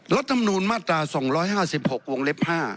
ลดธรรมนูลมาตรา๒๕๖วงเล็บ๕